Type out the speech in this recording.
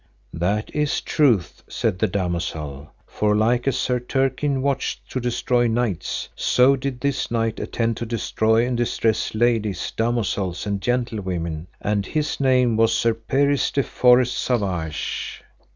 That is truth, said the damosel, for like as Sir Turquine watched to destroy knights, so did this knight attend to destroy and distress ladies, damosels, and gentlewomen, and his name was Sir Peris de Forest Savage.